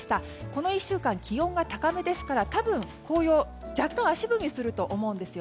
この１週間、気温が高めですから多分、紅葉若干足踏みすると思います。